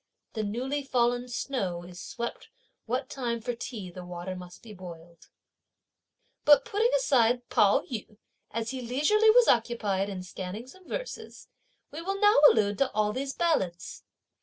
The newly fallen snow is swept what time for tea the water must be boiled. But putting aside Pao yü, as he leisurely was occupied in scanning some verses, we will now allude to all these ballads.